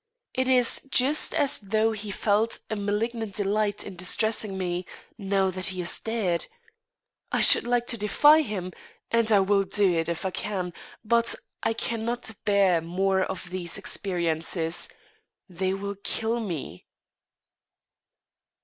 It is just as though he felt a malignant delight in distressing me, now that he is dead. I should like to defy him, and I will do it if I can, but I cannot bear more of these experiences they will kill me."